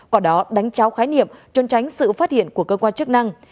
có đó đánh cháo khái niệm trôn tránh sự phát hiện của cơ quan chức năng